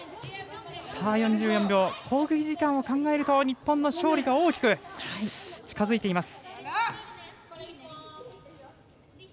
攻撃時間を考えると日本の勝利が大きく近づいています。